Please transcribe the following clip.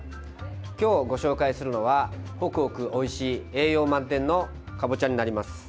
今日ご紹介するのはホクホクおいしい栄養満点のかぼちゃになります。